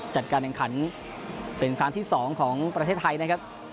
จัดการแข่งขันเป็นครั้งที่๒ของประเทศไทยนะครับ